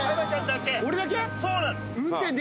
そうなんです。